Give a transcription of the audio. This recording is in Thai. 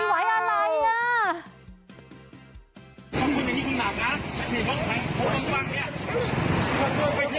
ไม่ไหวอะไรน่ะ